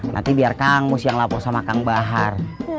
nanti biar kang mesti yang lapor sama kang bahar